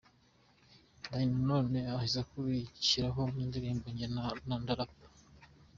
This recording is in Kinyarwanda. Danny Nanone ahise akurikiraho mu ndirimbo ’Njye Ndarapa’.